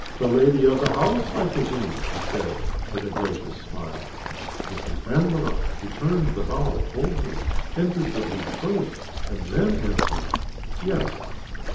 "The lady of the house, I presume?" she said, with a gracious smile. Mrs. Vanborough returned the bow coldly entered the room first and then answered, "Yes."